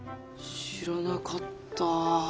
知らなかった。